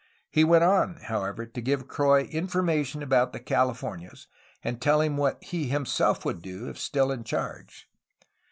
He went on, however, to give Croix information about the Calif ornias and to tell him what he himself would do, if still in charge.